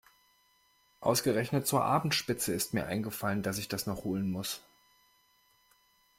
Ausgerechnet zur Abendspitze ist mir eingefallen, dass ich das noch holen muss.